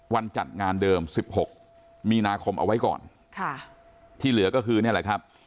จัดงานเดิมสิบหกมีนาคมเอาไว้ก่อนค่ะที่เหลือก็คือนี่แหละครับ